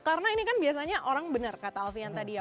karena ini kan biasanya orang benar kata alfian tadi ya